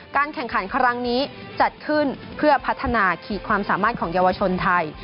แข่งขันครั้งนี้จัดขึ้นเพื่อพัฒนาขีดความสามารถของเยาวชนไทย